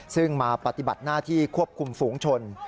ซึ่งมาปฏิบัติหน้าที่ควบคุมฝูงชน